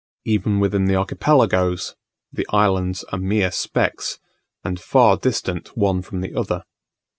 Even within the archipelagoes, the islands are mere specks, and far distant one from the other.